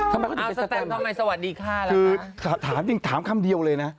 ทำไมเขาเอาไปสแตมทำไมสวัสดีค่ะคือถามจริงถามคำเดียวเลยนะ